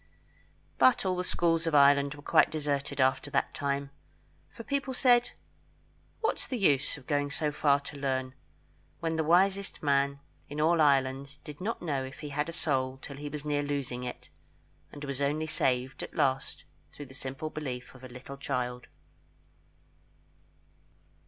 But the schools of Ireland were quite deserted after that time, for people said, What is the use of going so far to learn, when the wisest man in all Ireland did not know if he had a soul till he was near losing it, and was only saved at last through the simple belief of a little child. [Footnote 52: _Ancient Legends of Ireland.